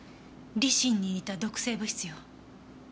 リシンに似た毒性物質よ。